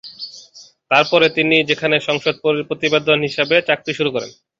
তারপরে, তিনি সেখানে সংবাদ প্রতিবেদক হিসাবে চাকরি শুরু করেন।